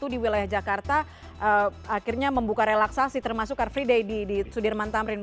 di wilayah jakarta akhirnya membuka relaksasi termasuk car free day di sudirman tamrin